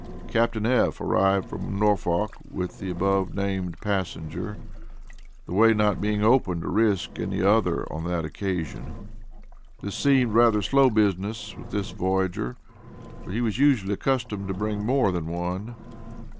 Captain F. arrived, from Norfolk, with the above named passenger, the way not being open to risk any other on that occasion. This seemed rather slow business with this voyager, for he was usually accustomed to bringing more than one.